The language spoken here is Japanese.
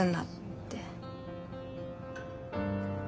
って。